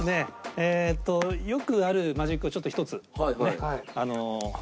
えっとよくあるマジックをちょっと１つねあの。